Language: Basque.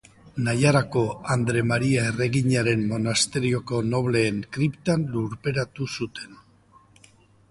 Naiarako Andre Maria Erreginaren monasterioko nobleen kriptan lurperatu zuten.